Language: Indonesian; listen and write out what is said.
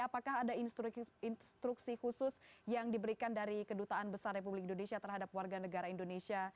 apakah ada instruksi khusus yang diberikan dari kedutaan besar republik indonesia terhadap warga negara indonesia